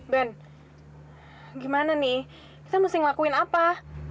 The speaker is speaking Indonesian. ben gimana nih saya mesti ngelakuin apa